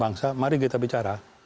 bangsa mari kita bicara